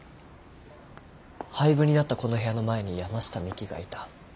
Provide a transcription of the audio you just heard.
廃部になったこの部屋の前に山下未希がいた。